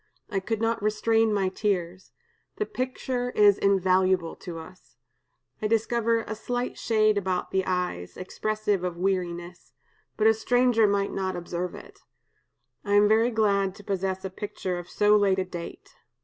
I could not restrain my tears. The picture is invaluable to us. I discover a slight shade about the eyes, expressive of weariness; but a stranger might not observe it. I am very glad to possess a picture of so late a date.